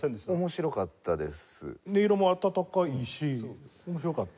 面白かったです。